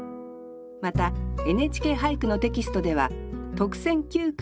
また「ＮＨＫ俳句」のテキストでは特選九句とその他の佳作を掲載します。